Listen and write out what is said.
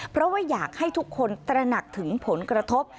เพราะว่าอยากให้ทุกคนตระหนักถึงผลกระทบ